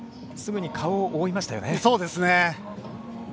すぐに顔を覆いましたよね。